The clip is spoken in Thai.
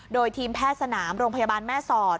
โดยทีมแพทย์สนามโรงพยาบาลแม่สอด